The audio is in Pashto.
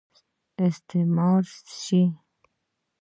استعمال سي.